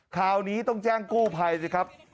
คราวนี้ต้องแจ้งกู้ภัยสิครับ